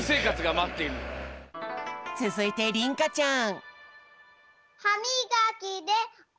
つづいてりんかちゃん。